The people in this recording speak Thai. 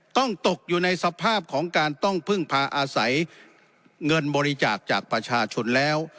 ตกอยู่ในสภาพของการต้องพึ่งพาอาศัยเงินบริจาคจากประชาชนแล้ว